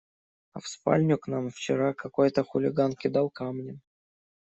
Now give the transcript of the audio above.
А в спальню к нам вчера какой-то хулиган кидал камнем.